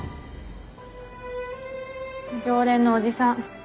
常連のおじさん。